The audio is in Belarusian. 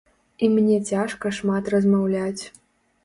І мне цяжка шмат размаўляць.